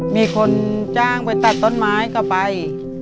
มีคนจ้างไปตัดต้นไม้ก็ไป